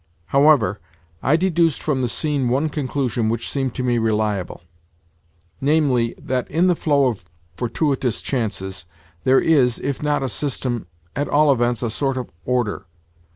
However, I deduced from the scene one conclusion which seemed to me reliable—namely, that in the flow of fortuitous chances there is, if not a system, at all events a sort of order.